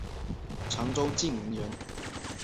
常州晋陵人。